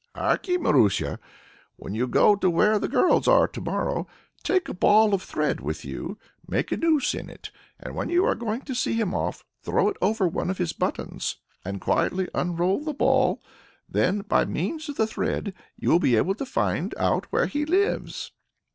"Harkye Marusia! When you go to where the girls are to morrow, take a ball of thread with you, make a noose in it, and, when you are going to see him off, throw it over one of his buttons, and quietly unroll the ball; then, by means of the thread, you will be able to find out where he lives."